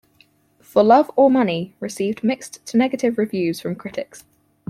"For Love or Money" received mixed to negative reviews from critics.